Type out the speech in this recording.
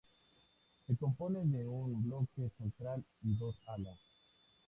Se compone de un bloque central y dos alas.